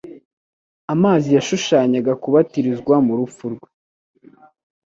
Amazi yashushanyaga kubatirizwa mu rupfu rwe